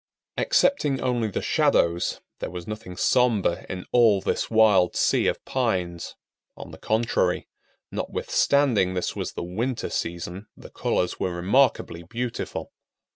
Excepting only the shadows there was nothing somber in all this wild sea of pines. On the contrary, notwithstanding this was the winter season, the colors were remarkably beautiful.